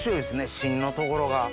芯のところが。